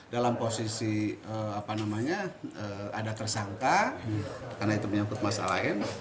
dalam posisi ada tersangka karena itu menyebut masalah lain